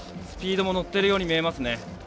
スピードも乗っているように見えます。